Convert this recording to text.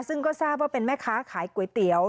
ซึ่งก็ทราบว่าเป็นแม่ค้าขายก๋วยเตี๋ยว